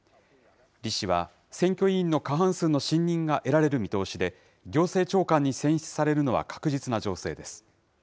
李氏は、選挙委員の過半数の信任が得られる見通しで、行政長官に選出されるのは確実な情勢です。